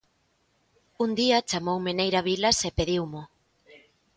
Un día chamoume Neira Vilas e pediumo.